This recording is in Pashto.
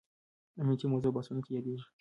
امنیتي موضوع بحثونو کې یادېږي.